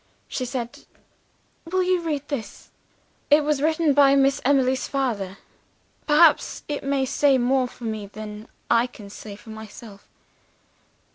"She said, 'Will you read this? It was written by Miss Emily's father. Perhaps it may say more for me than I can say for myself?